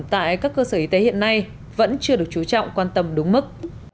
tại các cơ sở y tế hiện nay vẫn chưa được chú trọng quan tâm đúng mức